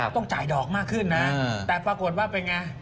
ต้องจ่ายดอกมากขึ้นนะแต่ปรากฏว่าเป็นไง